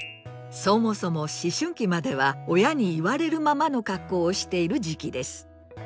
そもそも思春期までは親に言われるままの格好をしている時期です。